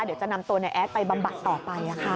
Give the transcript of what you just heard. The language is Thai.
เดี๋ยวจะนำตัวนายแอดไปบำบัดต่อไป